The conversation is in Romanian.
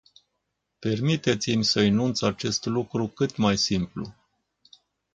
Permiteți-mi să enunț acest lucru cât mai simplu.